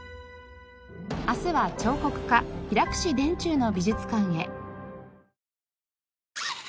明日は彫刻家平櫛田中の美術館へ。